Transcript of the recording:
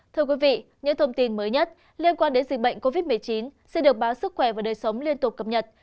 thưa quý vị những thông tin mới nhất liên quan đến dịch bệnh covid một mươi chín sẽ được báo sức khỏe và đời sống liên tục cập nhật